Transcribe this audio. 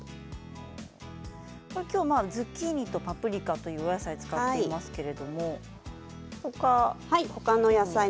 今日はズッキーニとパプリカというお野菜を使っていますけれども他のは？